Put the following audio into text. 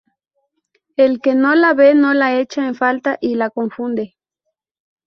El que no la ve no la echa en falta y la confunde.